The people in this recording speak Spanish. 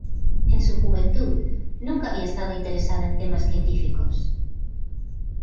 En su juventud, nunca había estado interesada en temas científicos.